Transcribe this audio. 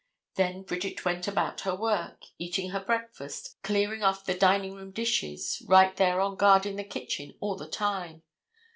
Then Bridget went about her work, eating her breakfast, clearing off the dining room dishes, right there on guard in the kitchen all the time.